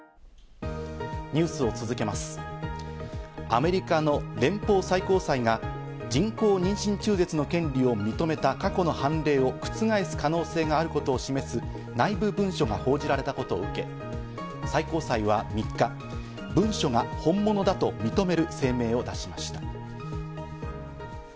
アメリカの連邦最高裁が人工妊娠中絶の権利を認めた過去の判例を覆す可能性があることを示す内部文書が報じられたことを受け最高裁は３日、文書が本物だと認める声明を出しました。